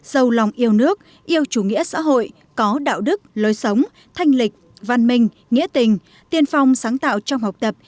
sâu lòng yêu nước yêu chủ nghĩa xã hội có đạo đức lối sống thanh lịch văn minh nghĩa tình tiên phong sáng tạo trong học tập